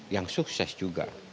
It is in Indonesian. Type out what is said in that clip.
yang sukses juga